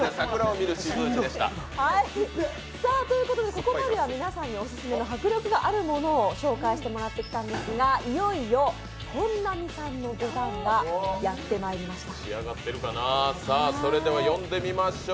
ここまでは皆さんにオススメの迫力があるものを紹介してもらってきたんですがいよいよ本並さんの出番がやってまいりました。